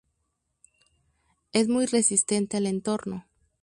Es muy resistente al entorno.